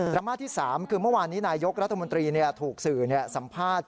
มาที่๓คือเมื่อวานนี้นายกรัฐมนตรีถูกสื่อสัมภาษณ์